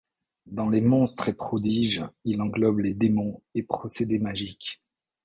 Dans les monstres et prodiges, il englobe les démons et procédés magiques.